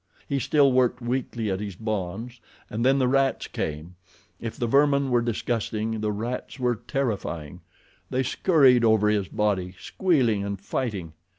He still worked weakly at his bonds, and then the rats came. If the vermin were disgusting the rats were terrifying. They scurried over his body, squealing and fighting.